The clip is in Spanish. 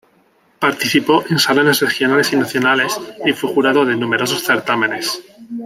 Participó en salones regionales y nacionales, y fue jurado de numerosos certámenes.